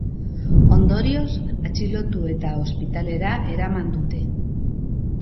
Ondorioz, atxilotu eta ospitalera eraman dute.